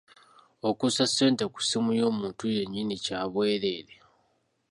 Okussa ssente ku ssimu y'omuntu yennyini kya bwereere.